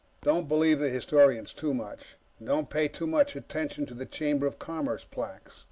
Don't believe the historians too much. Don't pay too much attention to the Chamber of Commerce plaques.